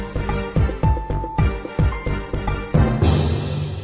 โปรดติดตามตอนต่อไป